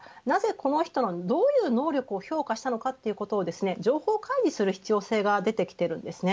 この人のどういう能力を評価したのかということをですね情報開示する必要性が出てきているんですね。